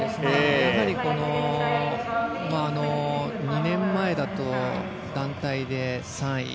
やはり、２年前だと団体で３位。